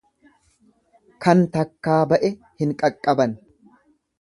Kan takkaa ba'e hin qaqqaban.